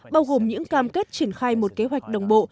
bao gồm những cam kết triển khai một kế hoạch đồng bộ